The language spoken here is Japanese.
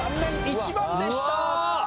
１番でした。